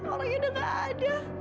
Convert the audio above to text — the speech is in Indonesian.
orangnya udah gak ada